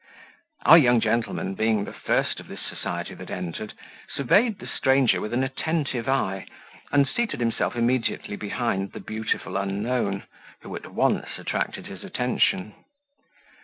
Our young gentleman, being the first of this society that entered, surveyed the stranger with an attentive eye, and seated himself immediately behind the beautiful unknown, who at once attracted his attention.